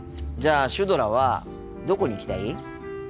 じゃあシュドラはどこに行きたい？